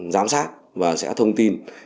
giám sát và sẽ thông tin